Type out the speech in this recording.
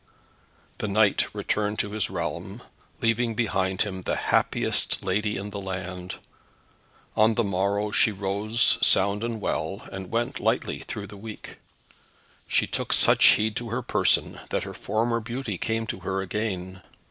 The knight returned to his realm, leaving behind him the happiest lady in the land. On the morrow she rose sound and well, and went lightly through the week. She took such heed to her person, that her former beauty came to her again.